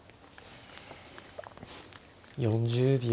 ４０秒。